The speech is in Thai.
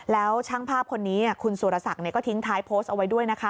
แล้วช่างภาพคนนี้คุณสุรศักดิ์ก็ทิ้งท้ายโพสต์เอาไว้ด้วยนะคะ